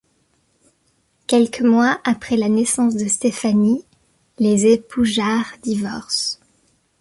Quelques mois après la naissance de Stefanie, les époux Jarre divorcent.